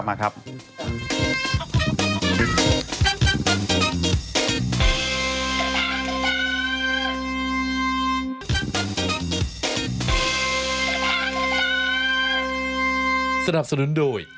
ไม่ปีตอนนู้น